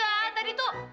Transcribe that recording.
apa enggak tadi tuh